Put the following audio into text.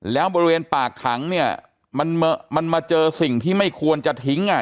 แล้วบริเวณปากถังเนี่ยมันมาเจอสิ่งที่ไม่ควรจะทิ้งอ่ะ